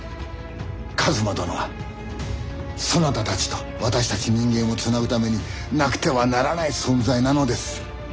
一馬殿はそなたたちと私たち人間をつなぐためになくてはならない存在なのです。